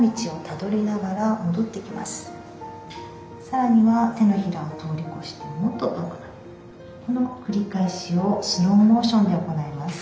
さらには手のひらを通り越してもっと遠くまでこの繰り返しをスローモーションで行います。